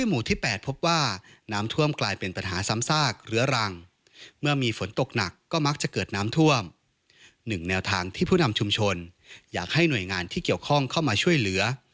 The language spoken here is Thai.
หนึ่งแนวทางที่ผู้นำชุมชนอยากให้หน่วยงานที่เกี่ยวข้องเข้ามาช่วยเหลือ